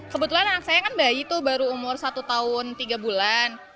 kebetulan anak saya kan bayi tuh baru umur satu tahun tiga bulan